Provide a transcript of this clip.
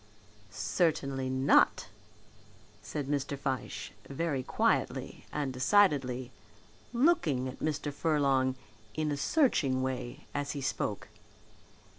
"Certainly not," said Mr. Fyshe, very quietly and decidedly, looking at Mr. Furlong in a searching way as he spoke.